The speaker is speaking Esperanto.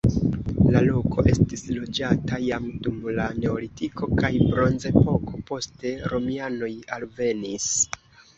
La loko estis loĝata jam dum la neolitiko kaj bronzepoko, poste romianoj alvenis.